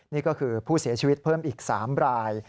นี่ก็คือผู้เสียชีวิตเพิ่มอีก๓ราย